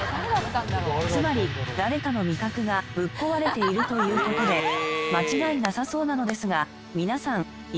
つまり誰かの味覚がぶっ壊れているという事で間違いなさそうなのですが皆さんいかがですか？